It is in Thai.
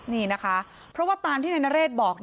นี่นะคะเพราะว่าตามที่นายนเรศบอก